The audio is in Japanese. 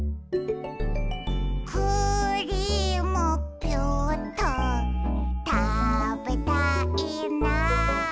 「クリームピューっとたべたいな」